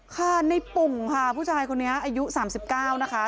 ค่ะในปุ่งค่ะผู้ชายคนนี้อายุ๓๙นะคะ